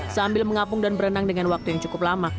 sambil mengapung dan berenang dengan waktu yang cukup lama